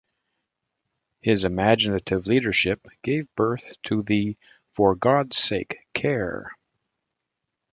His imaginative leadership gave birth to the 'For God's Sake Care!